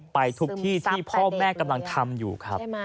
ซึมซับแต่เด็กเลยว่ะมใช่ไหมครับ